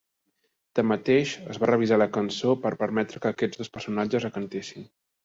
Tanmateix, es va revisar la cançó per permetre que aquests dos personatges la cantessin.